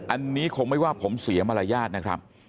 อันนี้คงไม่ว่าผมเสียมารยาทนะครับ